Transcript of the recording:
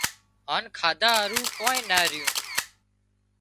هانَ کاڌا هارو ڪانئين نا ريون